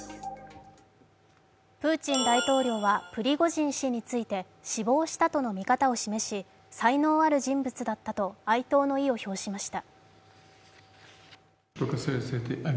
プーチン大統領はプリゴジン氏について死亡したとの見方を示し才能ある人物だったと哀悼の意を表しました。